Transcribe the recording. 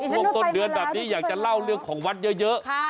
ช่วงต้นเดือนแบบนี้อยากจะเล่าเรื่องของวัดเยอะ